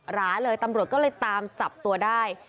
ราเลยตำรวจก็เลยตามจับตัวได้